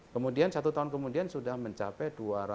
kemudian satu tahun kemudian sudah mencapai dua ratus sembilan puluh tujuh